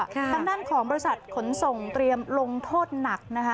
ทางด้านของบริษัทขนส่งเตรียมลงโทษหนักนะคะ